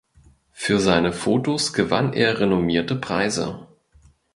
Für seine Fotos gewann er renommierte Preise.